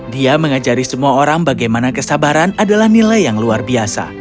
dia mengajari semua orang bagaimana kesabaran adalah nilai yang luar biasa